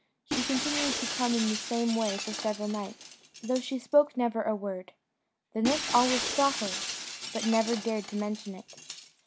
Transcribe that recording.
She continued to come in the same way for several nights, though she spoke never a word: the nurse always saw her, but never dared to mention it.